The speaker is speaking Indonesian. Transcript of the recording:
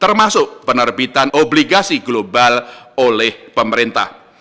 termasuk penerbitan obligasi global oleh pemerintah